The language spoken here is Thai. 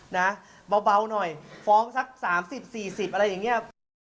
นะเบาหน่อยฟ้องสัก๓๐๔๐อะไรอย่างนี้